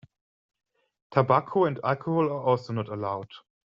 Tobacco and alcohol are also not allowed.